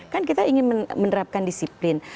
kan kita ingin menerapkan disiplin